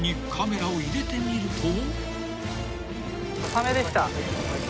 サメでした。